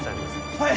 はい！